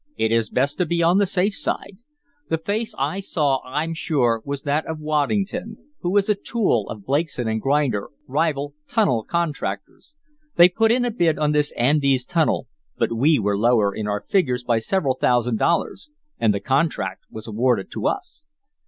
"It is best to be on the safe side. The face I saw, I'm sure, was that of Waddington, who is a tool of Blakeson & Grinder, rival tunnel contractors. They put in a bid on this Andes tunnel, but we were lower in our figures by several thousand dollars, and the contract was awarded to us.